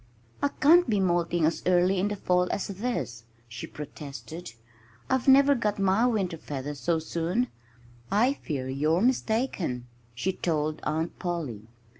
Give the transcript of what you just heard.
"I can't be molting as early in the fall as this," she protested. "I've never got my winter feathers so soon.... I fear you're mistaken," she told Aunt Polly.